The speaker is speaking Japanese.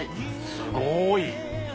すごい。